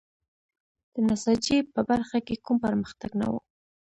د نساجۍ په برخه کې کوم پرمختګ نه و.